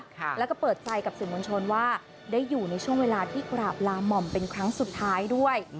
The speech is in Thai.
แล้วก็เปิดใจกับสื่อมวลชนว่าได้อยู่ในช่วงเวลาที่กราบลาหม่อมเป็นครั้งสุดท้ายด้วย